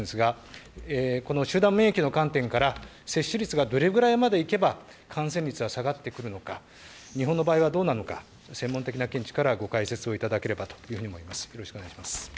尾身先生にもお伺いしたいんですが、集団免疫の観点から、接種率がどれぐらいまでいけば感染率が下がってくるのか、日本の場合はどうなのか、専門的な見地からご解説をいただければというふうに思います。